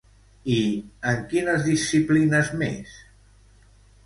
I en quines disciplines més?